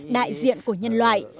đại diện của nhân loại